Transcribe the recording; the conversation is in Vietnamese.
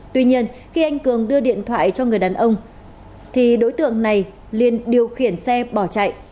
tuy nhiên khi anh cường đưa điện thoại cho người đàn ông thì đối tượng này liên điều khiển xe bỏ chạy